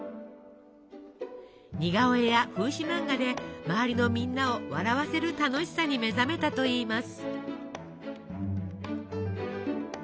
似顔絵や風刺漫画で周りのみんなを笑わせる楽しさに目覚めたといいます。